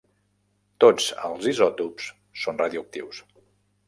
Tots els isòtops són radioactius.